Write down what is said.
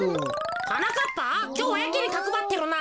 はなかっぱきょうはやけにかくばってるな。